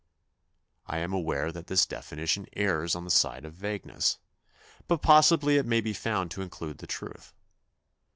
I am aware that this definition errs on the side of vagueness ; but possibly it may be found to include the truth.